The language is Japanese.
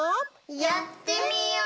やってみよう！